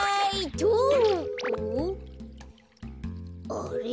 あれ？